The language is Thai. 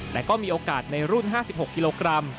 แต่ก็มีโอกาสในรุ่น๕๖กิโลกรัม